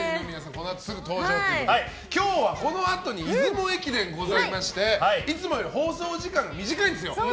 このあとすぐ登場ということで今日は、このあとに出雲駅伝がございましていつもより放送時間が短いんですよ。